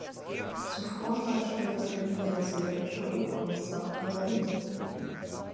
Zuvor war er stellvertretender neuseeländischer Hochkommissar auf den Salomonen.